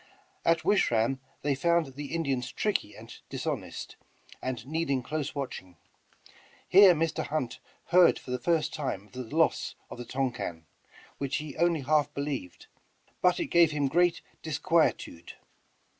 At Wish ram they found the Indians tricky and dishonest, and needing close watching. Here Mr. Hunt heard for the first time of the loss of the Tonquin, which he only half believed, but it gave him great disquietude.